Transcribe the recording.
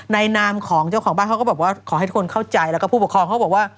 นามของเจ้าของบ้านเขาก็บอกว่าขอให้ทุกคนเข้าใจแล้วก็ผู้ปกครองเขาบอกว่า